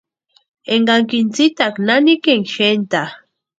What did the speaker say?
Énkakini tsïtaaka nanikini xentaa.